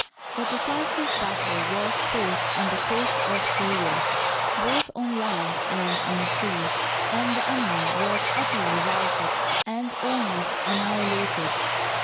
The decisive battle was fought on the coast of Syria, both on land and on sea, and the enemy was utterly routed and almost an nihilated.